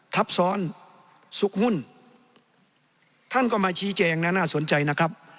ทับซ้อนซุกหุ้นท่านก็มาชี้แจงนะน่าสนใจนะครับ